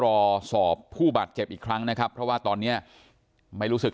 รอสอบผู้บาดเจ็บอีกครั้งนะครับเพราะว่าตอนเนี้ยไม่รู้สึก